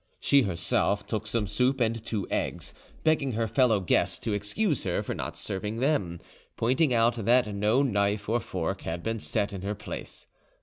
She herself took some soup and two eggs, begging her fellow guests to excuse her for not serving them, pointing out that no knife or fork had been set in her place.